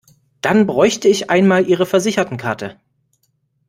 Dann bräuchte ich einmal ihre Versichertenkarte.